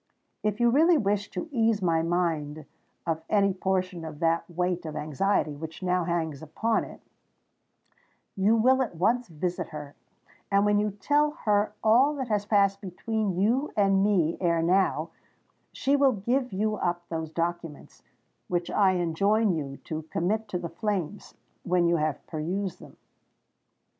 If you really wish to ease my mind of any portion of that weight of anxiety which now hangs upon it, you will at once visit her; and when you tell her all that has passed between you and me ere now, she will give you up those documents, which I enjoin you to commit to the flames, when you have perused them."